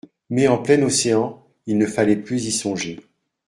Mais en plein Océan, il ne fallait plus y songer.